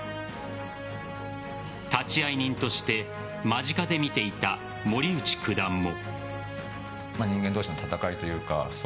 立会人として間近で見ていた森内九段も。